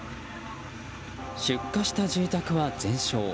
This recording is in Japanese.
出火した住宅は全焼。